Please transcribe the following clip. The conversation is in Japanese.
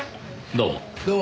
どうも。